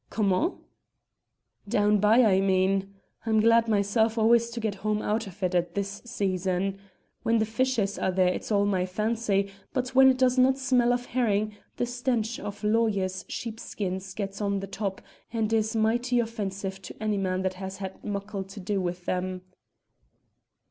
"Comment?" "Down by, I mean. I'm glad myself always to get home out of it at this season. When the fishers are there it's all my fancy, but when it does not smell of herring, the stench of lawyers' sheepskins gets on the top and is mighty offensive to any man that has had muckle to do with them."